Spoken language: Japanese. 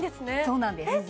そうなんですえっ